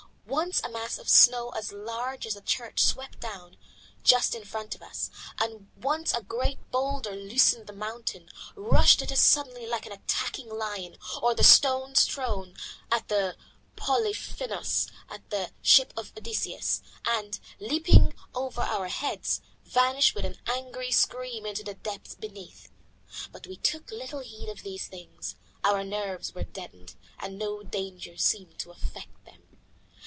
Once a mass of snow as large as a church swept down just in front of us, and once a great boulder loosened from the mountain rushed at us suddenly like an attacking lion, or the stones thrown by Polyphemus at the ship of Odysseus, and, leaping over our heads, vanished with an angry scream into the depths beneath. But we took little heed of these things: our nerves were deadened, and no danger seemed to affect them.